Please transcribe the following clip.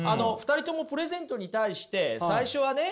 ２人ともプレゼントに対して最初はね